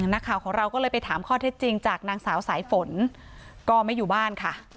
นักข่าวของเราก็เลยไปถามข้อเท็จจริงจากนางสาวสายฝนก็ไม่อยู่บ้านค่ะ